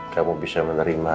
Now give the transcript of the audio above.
kamu bisa menerima